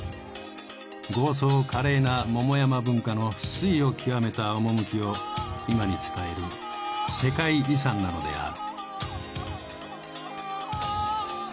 豪壮華麗な桃山文化の粋を極めた趣を今に伝える世界遺産なのである。